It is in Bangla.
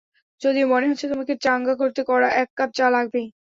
যদিও মনে হচ্ছে তোমাকে চাঙ্গা করতে কড়া এক কাপ চা লাগবেই।